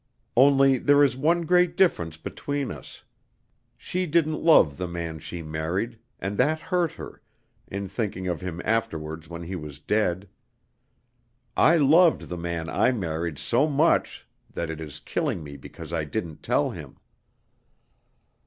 Only there is one great difference between us. She didn't love the man she married, and that hurt her, in thinking of him afterwards when he was dead. I loved the man I married so much that it is killing me because I didn't tell him.